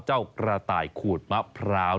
กระต่ายขูดมะพร้าว